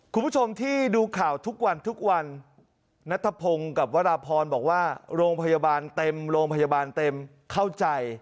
คุณผู้ชมที่ดูข่าวทุกวันณทภพงกับวทธาพรบอกว่าโรงพยาบาลเต็มเข้าใจ